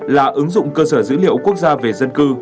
là ứng dụng cơ sở dữ liệu quốc gia về dân cư